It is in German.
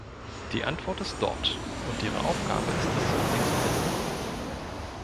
Die Antwort ist dort, und Ihre Aufgabe ist es, sie zu finden.